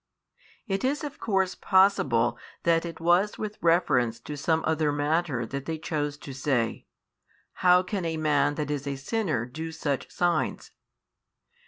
It is of course possible that it was with reference to some other matter that they chose to say: How can a man that is a sinner do such signs?